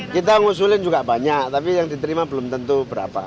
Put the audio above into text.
kita ngusulin juga banyak tapi yang diterima belum tentu berapa